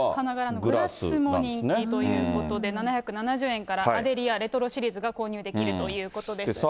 グラスも人気ということで７７０円から、アデリアレトロシリーズが購入できるということで。